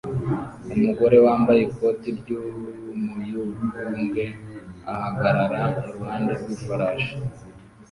Umugore wambaye ikoti ry'umuyugubwe ahagarara iruhande rw'ifarashi